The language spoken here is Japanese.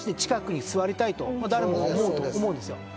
誰もが思うと思うんですよ。